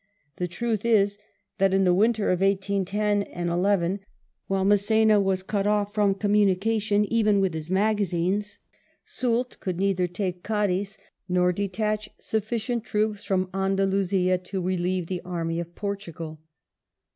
The truth is that in the winter of 1810 11, while Mass6na was cut ofif from communication even with his magazines, Soult could neither take Cadiz nor detach sufficient troops from Andalusia to relieve the Army of Portugal.